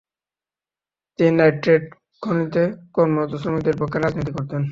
তিনি নাইট্রেট খনিতে কর্মরত শ্রমিকদের পক্ষে রাজনীতি করতেন।